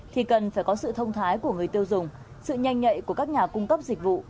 thì cần phải có sự thông thái của người tiêu dùng sự nhanh nhạy của các nhà cung cấp dịch vụ